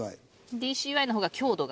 ＤＣＹの方が強度が。